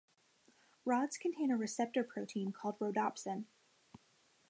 Rods contain a receptor-protein called rhodopsin.